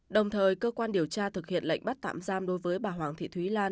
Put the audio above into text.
đồng thời cơ quan điều tra thực hiện lệnh bắt tạm giam đối với bà hoàng thị thúy lan